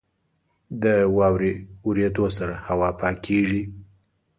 • د واورې اورېدو سره هوا پاکېږي.